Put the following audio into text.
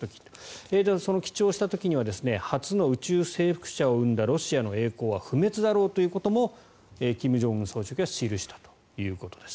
記帳した時には初の宇宙征服者を生んだロシアの栄光は不滅だろうということも金正恩総書記は記したということです。